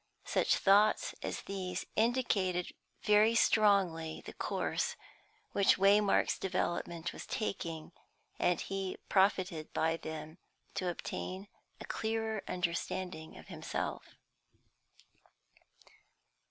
Such thoughts as these indicated very strongly the course which Waymark's development was taking, and he profited by them to obtain a clearer understanding of himself.